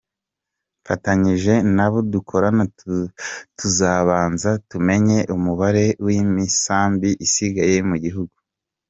Mfatanyije n’abo dukorana tuzabanza tumenye umubare w’imisambi isigaye mu gihugu.